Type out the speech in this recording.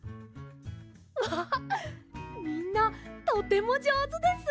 わあっみんなとてもじょうずです！